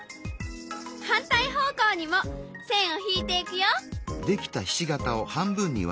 反対方向にも線を引いていくよ。